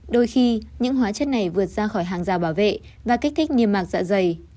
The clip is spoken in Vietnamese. đôi khi những hóa chất này vượt ra khỏi hàng rào bảo vệ và kích thích niềm mạc dạ dày